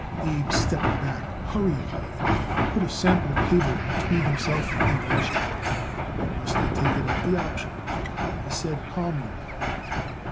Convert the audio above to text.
Abe stepped back hurriedly and put a sample table between himself and B. Rashkin. "Must I take it up the option?" he said calmly.